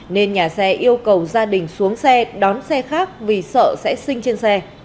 nên nhà xe yêu cầu gia đình xuống xe đón xe khác vì sợ sẽ sinh trên xe